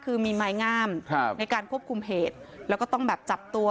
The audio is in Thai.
คือมีไม้งามในการควบคุมเหตุแล้วก็ต้องแบบจับตัว